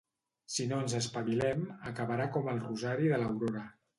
Si no ens espavilem, acabarà com el rosari de l'Aurora.